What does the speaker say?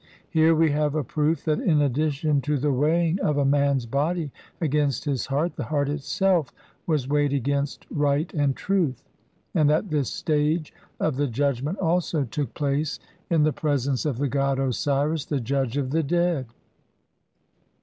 Here we have a proof that in addition to the weighing of a man's body against his heart, the heart itself was weighed against Right and Truth, and that this stage of the Judgment also took place in the presence of the god Osiris, the judge of the dead.